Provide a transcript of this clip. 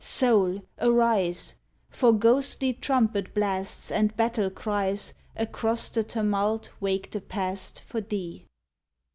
Soul, arise I For ghostly trumpet blasts and battle cries Across the tumult wake the Past for thee.